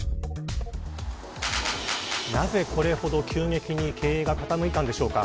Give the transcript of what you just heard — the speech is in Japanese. なぜこれほど急激に経営が傾いたのでしょうか。